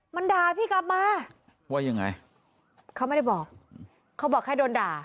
มันด่าพี่กลับมาว่ายังไงเขาไม่ได้บอกเขาบอกแค่โดนด่า